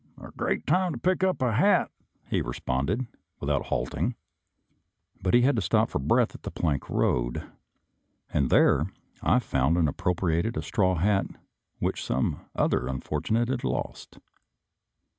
" A great time to pick up a hat !" he responded, without halting. But he had to stop for breath at the plank road, and there I found and appropriated a straw hat which some other unfortunate had lost.